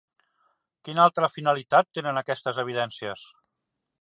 Quina altra finalitat tenen aquestes evidències?